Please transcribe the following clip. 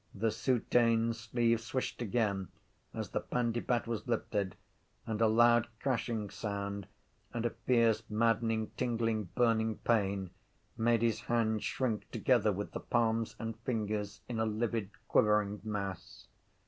The soutane sleeve swished again as the pandybat was lifted and a loud crashing sound and a fierce maddening tingling burning pain made his hand shrink together with the palms and fingers in a livid quivering mass.